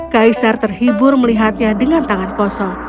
kaisar terhibur melihatnya dengan tangan kosong